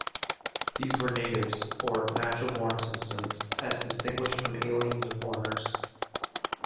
These were natives, or natural-born citizens, as distinguished from aliens or foreigners.